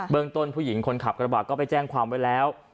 ต้นผู้หญิงคนขับกระบาดก็ไปแจ้งความไว้แล้ว